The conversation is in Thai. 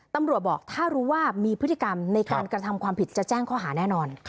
ตำรวจบอกถ้ารู้ว่ามีพฤติกรรมในการกระทำความผิดจะแจ้งข้อหาแน่นอน